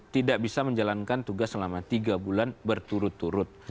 tidak bisa menjalankan tugas selama tiga bulan berturut turut